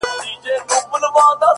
• او که برعکس، ,